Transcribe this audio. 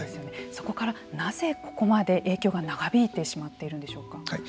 そこから、なぜ、ここまで影響が長引いてしまっているんでしょうか。